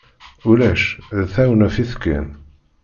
Ulac, d tawnafit kan.